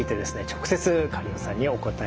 直接苅尾さんにお答えいただきます。